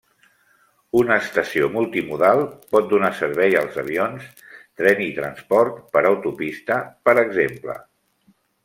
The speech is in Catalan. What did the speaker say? Una estació multimodal pot donar servei als avions, tren i transport per autopista per exemple.